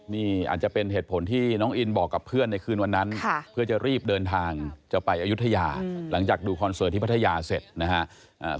นี่อาจจะเป็นเหตุผลที่น้องอินบอกกับเพื่อนในคืนวันนั้นเพื่อจะรีบเดินทางจะไปอายุทยาหลังจากดูคอนเสิร์ตที่พัทยาเสร็จนะครับ